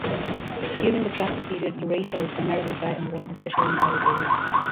During the Triassic period, Laurasia was primarily dry and warm, especially in arid areas.